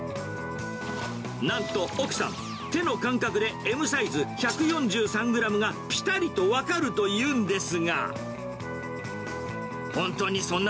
なんと奥さん、手の感覚で、Ｍサイズ１４３グラムがぴたりと分かるというんですが。